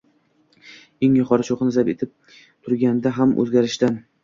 Eng yuqori cho‘qqini zabt etib turganda ham o‘zgarishdan